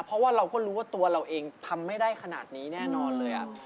เพราะว่าเราก็รู้ว่าตัวเราเองทำไม่ได้ขนาดนี้แน่นอนเลย